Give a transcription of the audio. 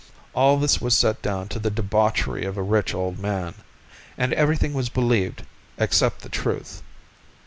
All this was set down to the debauchery of a rich old man, and everything was believed except the truth.